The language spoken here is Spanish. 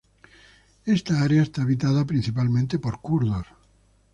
Esta área está habitada principalmente por kurdos.